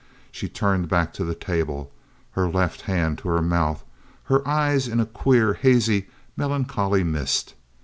She turned back to the table, her left hand to her mouth, her eyes in a queer, hazy, melancholy mist.